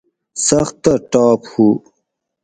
سختہ ٹاپ ہُو